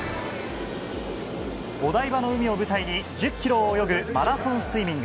お台場の海を舞台に１０ｋｍを泳ぐマラソンスイミング。